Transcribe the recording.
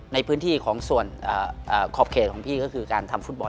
ในพื้นที่ของส่วนขอบเขตของพี่ก็คือการทำฟุตบอล